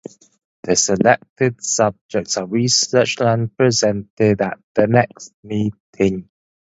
The selected subjects are researched and presented at the next meeting.